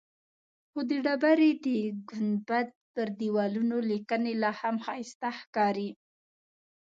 خو د ډبرې د ګنبد پر دیوالونو لیکنې لاهم ښایسته ښکاري.